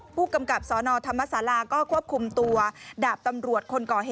ผู้กำกับสนธรรมศาลาก็ควบคุมตัวดาบตำรวจคนก่อเหตุ